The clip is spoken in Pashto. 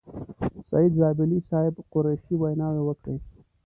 سعید زابلي صاحب، قریشي ویناوې وکړې.